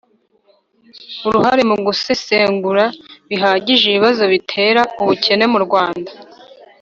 uruhare mu gusesengura bihagije ibibazo bitera ubukene mu rwanda